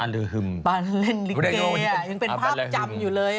อันเรฮึมปาเลนลิเกย์ยังเป็นภาพจำอยู่เลย